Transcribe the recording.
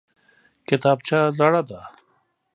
کتابچه زړه ده!